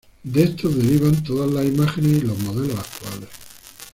De estos derivan todas imágenes y modelos actuales.